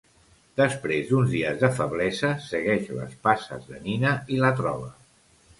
Després d’uns dies de feblesa segueix les passes de Nina i la troba.